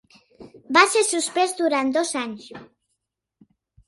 Va ser suspès durant dos anys.